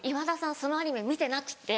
そのアニメ見てなくて。